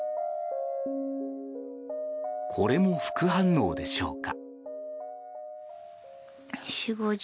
これも副反応でしょうか？